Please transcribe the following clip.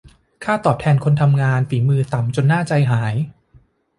ค่าตอบแทนคนทำงานฝีมือต่ำจนน่าใจหาย